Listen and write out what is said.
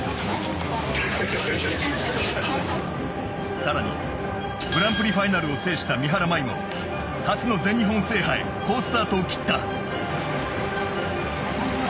さらにグランプリファイナルを制した、三原舞依も初の全日本制覇へ好スタートを切った。